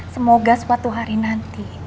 semoga suatu hari nanti